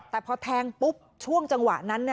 แต่พอแทงปุ๊บช่วงจังหวะนั้น